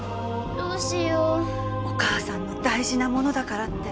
お母さんの大事なものだからって。